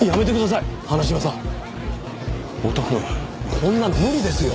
こんなの無理ですよ。